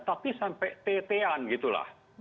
tapi sampai t an gitu lah